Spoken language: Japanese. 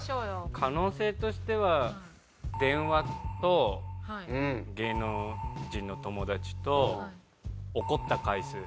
可能性としては電話と芸能人の友達と怒った回数。